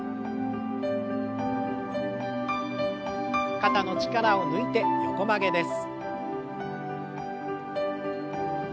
肩の力を抜いて横曲げです。